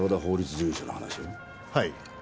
はい。